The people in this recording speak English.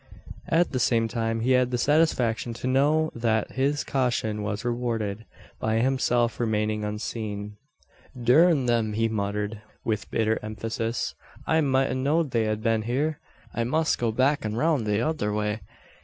At the same time he had the satisfaction to know that his caution was rewarded, by himself remaining unseen. "Durn them!" he muttered, with bitter emphasis. "I mout a know'd they'd a bin hyur. I must go back an roun' the tother way.